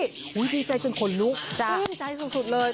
ดีใจจนขนลุกชื่นใจสุดเลย